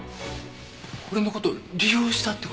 俺の事利用したって事？